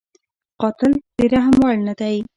قاتل د رحم وړ نه دی